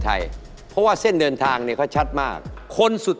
ที่ว่าเพื่อนเราน่าจะแบบชอบ